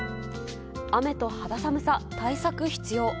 雨と肌寒さ、対策必要。